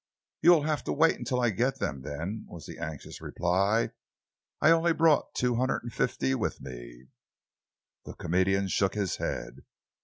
"You will have to wait until I get them, then," was the anxious reply. "I only brought two hundred and fifty with me." The comedian shook his head.